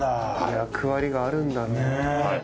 役割があるんだね。